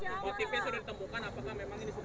karena melihat dia sudah menemukan udang kegiatan ya